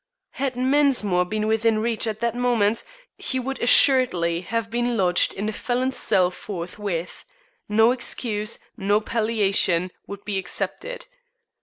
Had Mensmore been within reach at that moment he would assuredly have been lodged in a felon's cell forthwith. No excuse, no palliation, would be accepted.